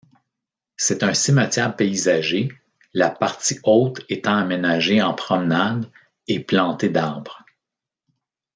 C'est un cimetière paysager, la partie haute étant aménagée en promenade et plantée d'arbres.